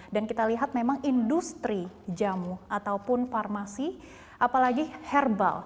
dan kita lihat memang industri jamu ataupun farmasi apalagi herbal